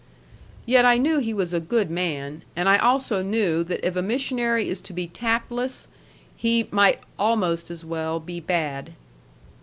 Yet I knew he was a good man; and I also knew that if a missionary is to be tactless, he might almost as well be bad.